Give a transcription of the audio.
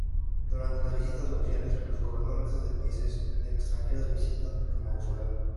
Durante las visitas oficiales, los gobernantes de países extranjeros visitan el mausoleo.